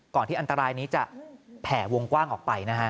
ที่อันตรายนี้จะแผ่วงกว้างออกไปนะฮะ